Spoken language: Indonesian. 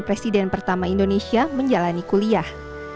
presiden pertama indonesia menjalani kuliah